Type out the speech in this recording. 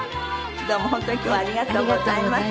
どうも本当に今日はありがとうございました。